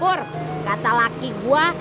pur kata laki gua